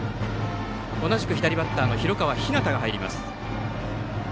同じく左バッターの広川陽大が入ります。